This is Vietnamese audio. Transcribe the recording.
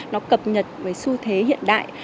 nó cập nhật với xu thế hiện đại